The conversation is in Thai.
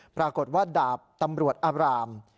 ปรากฏว่าดาบตำรวจอาบราม